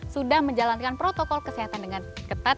sudah menjalankan protokol kesehatan dengan ketat